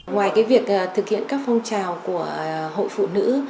ngoài việc thực hiện các phong trào của hội phụ nữ